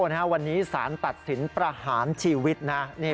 วันนี้สารตัดสินประหารชีวิตนะ